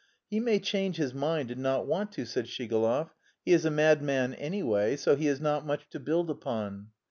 "He may change his mind and not want to," said Shigalov; "he is a madman anyway, so he is not much to build upon."